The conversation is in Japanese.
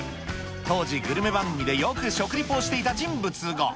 当時、グルメ番組でよく食レポをしていた人物が。